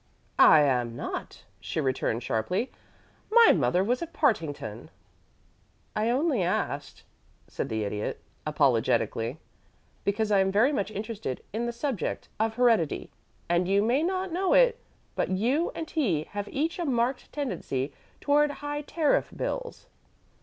"I am not," she returned, sharply. "My mother was a Partington." "I only asked," said the Idiot, apologetically, "because I am very much interested in the subject of heredity, and you may not know it, but you and he have each a marked tendency towards high tariff bills."